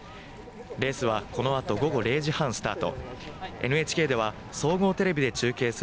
レースはこのあと午後０時半スタート。